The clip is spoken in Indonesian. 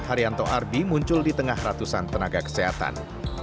haryanto arbi muncul di tengah ratusan tenaga kesehatan